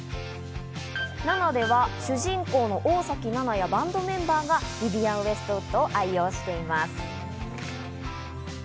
『ＮＡＮＡ』では主人公の大崎ナナやバンドメンバーがヴィヴィアン・ウエストウッドを愛用しています。